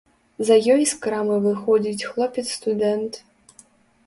За ёй з крамы выходзіць хлопец-студэнт.